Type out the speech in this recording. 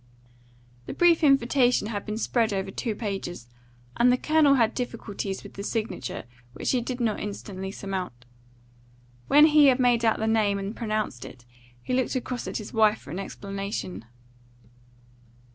The brief invitation had been spread over two pages, and the Colonel had difficulties with the signature which he did not instantly surmount. When he had made out the name and pronounced it, he looked across at his wife for an explanation.